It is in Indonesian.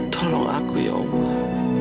tolong aku ya allah